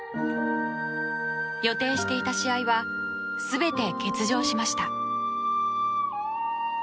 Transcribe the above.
予定していた試合は全て欠場しました。